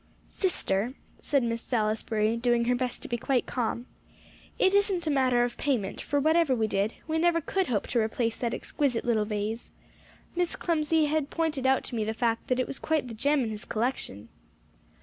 "Sister," said Miss Salisbury, doing her best to be quite calm, "it isn't a matter of payment; for whatever we did, we never could hope to replace that exquisite little vase. Miss Clemcy had pointed out to me the fact that it was quite the gem in his collection."